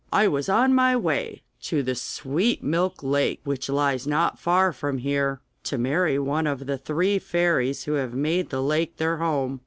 I was on my way to the Sweet Milk Lake, which lies not far from here, to marry one of the three fairies who have made the lake their home.